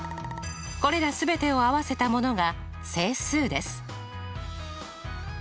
これら全てを合わせたものが整数です。